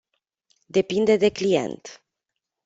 Depinde de client.